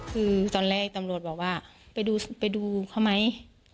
คือตอนแรกตำรวจบอกว่าไปดูเขาไหม